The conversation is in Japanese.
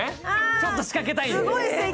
ちょっと仕掛けたいんで。